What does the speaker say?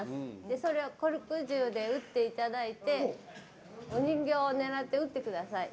それをコルク銃で撃っていただいてお人形を狙って撃ってください。